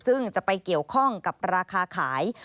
ซึ่งจะไปเกี่ยวข้องกับราคาขาย